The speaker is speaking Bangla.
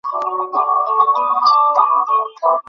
রাস্তায় কেন যে স্ট্রিট-লাইট নেই!